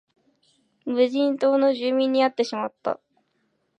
無人島の住民に会ってしまった